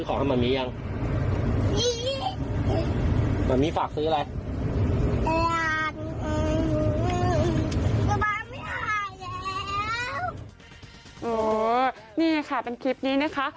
นี่ค่ะเป็นคลิปนี้นะคะ